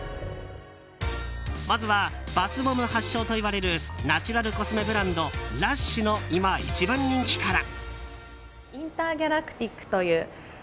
まずはバスボム発祥といわれるナチュラルコスメブランドＬＵＳＨの今、一番人気から。